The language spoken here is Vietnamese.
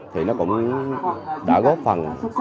thì nó cũng đã góp phần